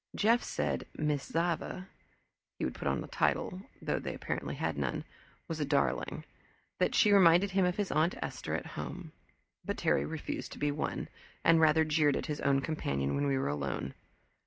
Jeff said Miss Zava he would put on a title, though they apparently had none was a darling, that she reminded him of his Aunt Esther at home; but Terry refused to be won, and rather jeered at his own companion, when we were alone.